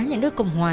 nhà nước cộng hòa